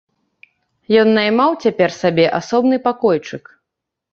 Ён наймаў цяпер сабе асобны пакойчык.